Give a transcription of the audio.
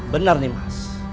benar nih mas